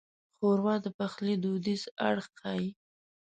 ښوروا د پخلي دودیز اړخ ښيي.